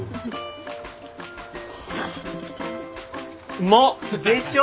うまっ！でしょ？